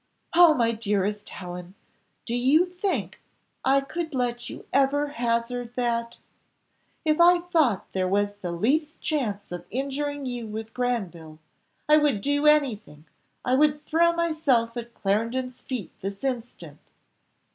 "Oh, my dearest Helen! do you think I could let you ever hazard that? If I thought there was the least chance of injuring you with Granville! I would do any thing I would throw myself at Clarendon's feet this instant."